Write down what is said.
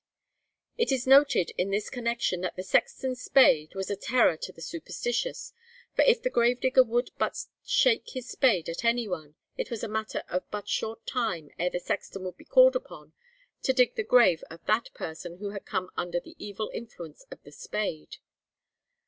It is noted in this connection that the sexton's spade 'was a terror to the superstitious, for if the gravedigger would but shake his spade at anyone, it was a matter of but short time ere the sexton would be called upon to dig the grave of that person who had come under the evil influence of the spade.